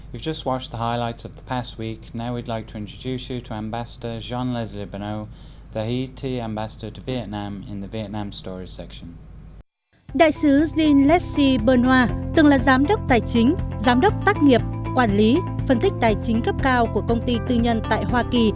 đại sứ jean leslie benoit từng là giám đốc tài chính giám đốc tắc nghiệp quản lý phân thích tài chính cấp cao của công ty tư nhân tại hoa kỳ